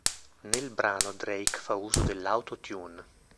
Nel brano Drake fa uso dell'Auto-Tune.